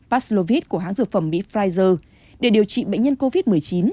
paslovid của hãng dược phẩm mỹ pfizer để điều trị bệnh nhân covid một mươi chín